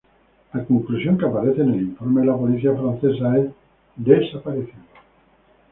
La conclusión que aparece en el informe de la policía francesa es "desaparecido".